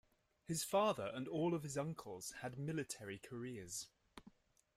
His father and all of his uncles had military careers.